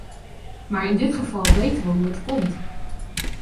Maar in dit geval weten we hoe het komt.